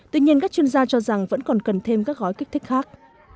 tuy nhiên các chuyên gia cho rằng vẫn còn cần thêm các gói kích thích khác